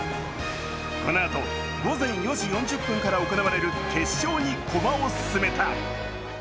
このあと午前４時４０分から行われる決勝に駒を進めた。